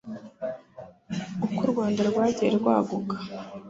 uko u Rwanda rwagiye rwaguka